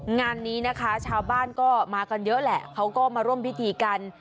งานนี้นะคะชาวบ้านก็มากันเยอะแหละเขาก็มาร่วมพิธีกัน